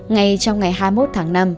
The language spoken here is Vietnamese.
ngay trong ngày hai mươi một tháng năm